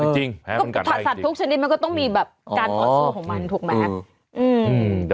สัตว์ทุกชนิดมันก็ต้องมีแบบการออกส่วนของมันถูกมั้ยครับ